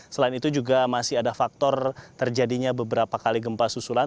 selain itu juga masih ada faktor terjadinya beberapa kali gempa susulan